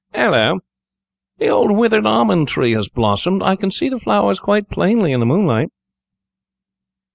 "Hallo! the old withered almond tree has blossomed. I can see the flowers quite plainly in the moonlight."